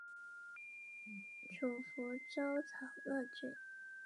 归正会教堂。